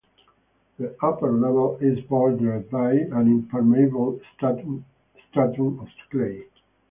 The upper level is bordered by an impermeable stratum of clay.